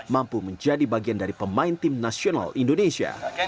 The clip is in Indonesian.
mampu menjadi bagian dari pemain tim nasional indonesia